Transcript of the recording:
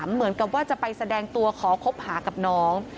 เหมือนกับว่าจะไปแสดงตัวขอคบหากับน้อง